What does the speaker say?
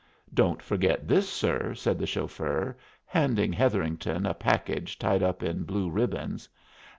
"Don't forget this, sir," said the chauffeur, handing Hetherington a package tied up in blue ribbons.